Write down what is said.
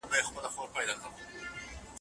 خپل ذهن به له فکري غبار څخه پاکوئ.